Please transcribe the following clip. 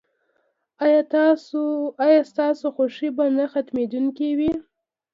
ایا ستاسو خوښي به نه ختمیدونکې وي؟